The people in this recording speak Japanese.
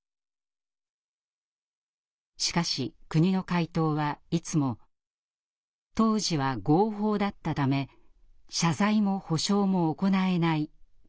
しかし国の回答はいつも「当時は合法だったため謝罪も補償も行えない」というものでした。